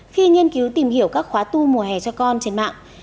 khi nghiên cứu tìm hiểu các khóa tu mùa hè cho con trên mạng